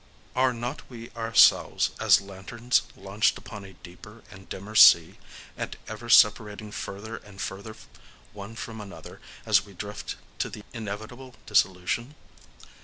Are not we ourselves as lanterns launched upon a deeper and a dimmer sea, and ever separating further and further one from another as we drift to the inevitable dissolution?